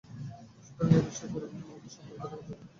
সুতরাং এ বিষয়ে পরিবহনমালিকদের সতর্কতা জরুরি।